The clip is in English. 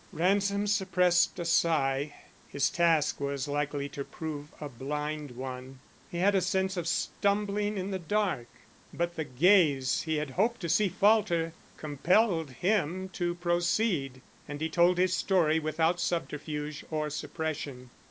Ransom suppressed a sigh. His task was likely to prove a blind one. He had a sense of stumbling in the dark, but the gaze he had hoped to see falter compelled him to proceed, and he told his story without subterfuge or suppression.